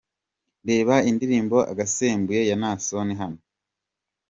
Reba indirimbo Agasembuye ya Naason hano:.